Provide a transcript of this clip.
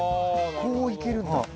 こういけるんだ。